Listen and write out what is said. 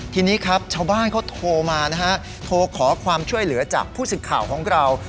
ทีนี้ครับชาวบ้านเขาโทรมานะฮะโทรขอความช่วยเหลือจากผู้สิทธิ์ข่าวของเรา